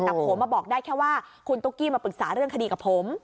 แต่ผมบอกได้แค่ว่าคุณตุ๊กกี้มาปรึกษาเรื่องคดีกับผม